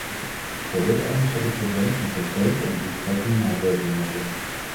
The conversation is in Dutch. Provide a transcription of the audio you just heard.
Voor dit ernstige probleem zijn concrete en doeltreffende maatregelen nodig.